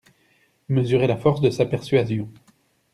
Mesurez la force de sa persuasion.